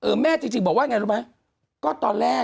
คุณหนุ่มกัญชัยได้เล่าใหญ่ใจความไปสักส่วนใหญ่แล้ว